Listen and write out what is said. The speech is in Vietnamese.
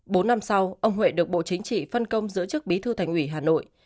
bốn năm sau ông huệ được bộ chính trị phân công giữ chức bí thư thành ủy hà nội